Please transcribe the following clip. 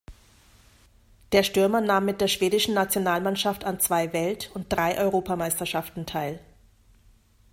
Der Stürmer nahm mit der schwedischen Nationalmannschaft an zwei Welt- und drei Europameisterschaften teil.